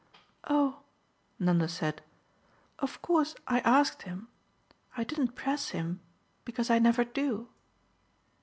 "Oh," Nanda said, "of course I asked him. I didn't press him, because I never do